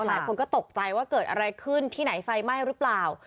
หลายคนก็ตกใจว่าเกิดอะไรขึ้นที่ไหนไฟไหม้หรือเปล่า